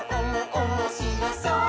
おもしろそう！」